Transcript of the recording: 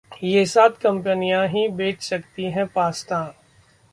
ये सात कंपनियां ही बेच सकती हैं पास्ता